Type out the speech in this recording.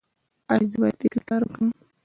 ایا زه باید فکري کار وکړم؟